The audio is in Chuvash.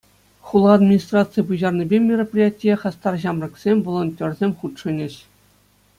Хула администрацийӗ пуҫарнипе мероприятие хастар ҫамрӑксем, волонтерсем хутшӑнӗҫ.